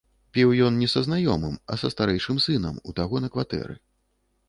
Піў ён не са знаёмым, а са старэйшым сынам у таго на кватэры.